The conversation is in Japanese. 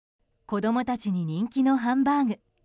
子供たちに人気のハンバーグ。